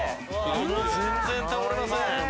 全然倒れません。